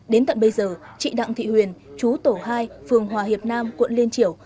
đến tận bây giờ chị đặng thị huyền chú tổ hai phường hòa hiệp nam quận liên triểu